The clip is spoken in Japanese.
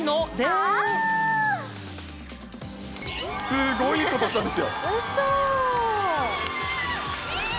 すごいことしたんですよ。